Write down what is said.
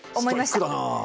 ストイックだなあ。